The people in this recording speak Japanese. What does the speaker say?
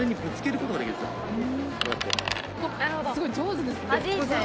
すごい上手ですね。